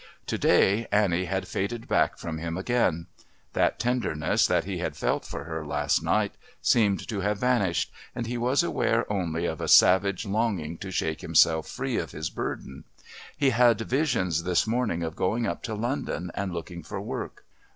To day Annie had faded back from him again; that tenderness that he had felt for her last night seemed to have vanished, and he was aware only of a savage longing to shake himself free of his burden. He had visions this morning of going up to London and looking for work....